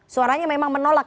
suaranya memang menolak ya